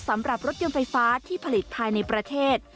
สำหรับรถยนต์ไฟฟ้าที่ผลิตภายในประเทศ